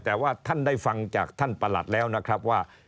แต่ว่าท่านได้ฟังจากท่านประหลัดแล้วนะครับว่า